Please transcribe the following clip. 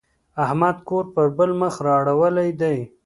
احمد کور پر بل مخ را اړولی دی.